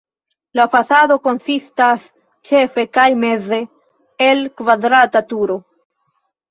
La fasado konsistas ĉefe kaj meze el kvadrata turo.